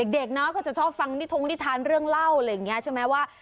เด็กเนาะก็จะชอบฟังนิทรงนะธรรมนี้เรื่องเหล้าไว้อย่างนี้ใช่ไหมว่า